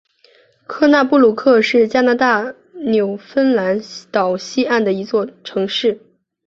科纳布鲁克是加拿大纽芬兰岛西岸的一座城市。